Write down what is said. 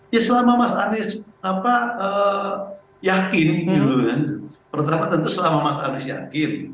ya selama mas anies yakin pertama tentu selama mas anies yakin